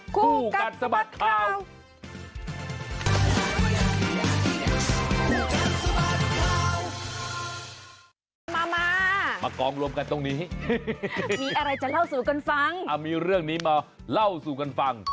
คู่กันสบัดข่าวคู่กันสบัดข่าว